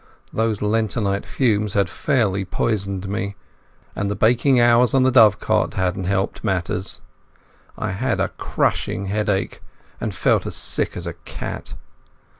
Those lentonite fumes had fairly poisoned me, and the baking hours on the dovecot hadn't helped matters. I had a crushing headache, and felt as sick as a cat.